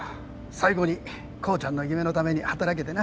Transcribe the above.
最後に浩ちゃんの夢のために働けてな。